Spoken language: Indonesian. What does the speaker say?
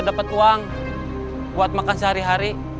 sama orangnya gak ada